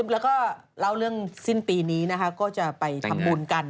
แล้วก็เล่าเรื่องสิ้นปีนี้นะคะก็จะไปทำบุญกัน